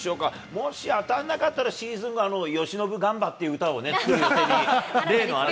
もし当たんなかったら、シーズン後、由伸がんばという歌を作る予定に、例のあれ。